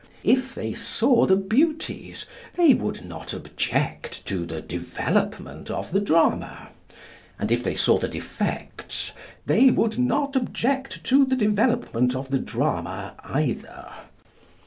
If they saw the beauties, they would not object to the development of the drama; and if they saw the defects, they would not object to the development of the drama either.